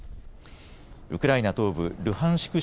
ウクライナ東部ルハンシク